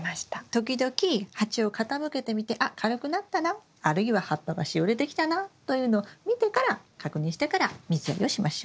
時々鉢を傾けてみてあっ軽くなったなあるいは葉っぱがしおれてきたなというのを見てから確認してから水やりをしましょう。